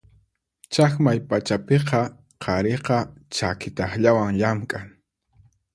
Chaqmay pachapiqa qhariqa chaki takllawan llamk'an.